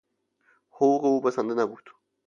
حقوق او بسنده نبود.